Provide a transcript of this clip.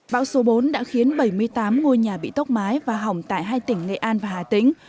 bão số bốn đã khiến bảy mươi tám ngôi nhà bị tốc mái và hỏng tại hai tỉnh nghệ an và hà tĩnh